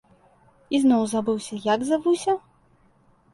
Ізноў забыўся, як завуся?